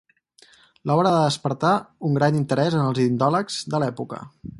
L'obra va despertar un gran interès en els indòlegs de l'època.